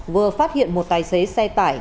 vừa phát hiện một tài xế xe tải